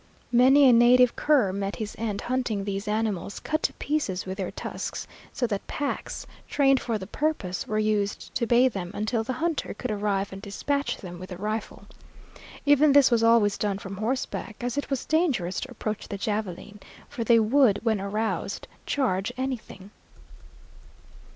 Many a native cur met his end hunting these animals, cut to pieces with their tusks, so that packs, trained for the purpose, were used to bay them until the hunter could arrive and dispatch them with a rifle. Even this was always done from horseback, as it was dangerous to approach the javeline, for they would, when aroused, charge anything.